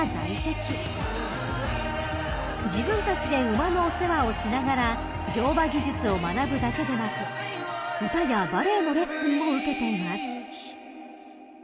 ［自分たちで馬のお世話をしながら乗馬技術を学ぶだけでなく歌やバレエのレッスンも受けています］